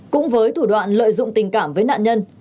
cũng với thủ đoạn lợi dụng tình cảm với nạn nhân